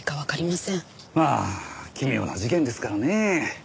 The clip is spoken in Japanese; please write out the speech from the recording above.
まあ奇妙な事件ですからね。